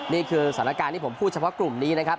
นี่คือสถานการณ์ที่ผมพูดเฉพาะกลุ่มนี้นะครับ